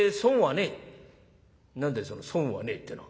その損はねえってのは。